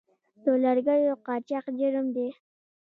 د لرګیو قاچاق جرم دی